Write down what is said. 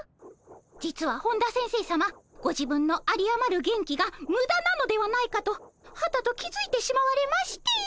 実は本田先生さまご自分のありあまる元気がムダなのではないかとはたと気付いてしまわれまして。